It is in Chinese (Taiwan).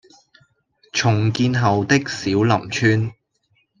重建後的小林村